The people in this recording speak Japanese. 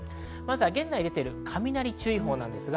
現在出ている雷注意報です。